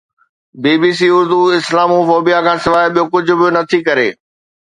بي B C Urdu Islamophobia کان سواءِ ٻيو ڪجهه به نٿي ڪري